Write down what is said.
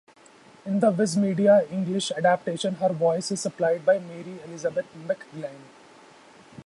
In the Viz Media English adaptation, her voice is supplied by Mary Elizabeth McGlynn.